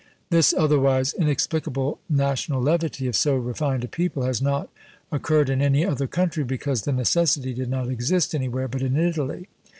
This otherwise inexplicable national levity, of so refined a people, has not occurred in any other country, because the necessity did not exist anywhere but in Italy.